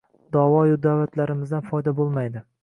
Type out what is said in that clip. da’vo-yu da’vatlarimizdan foyda bo‘lmaydi.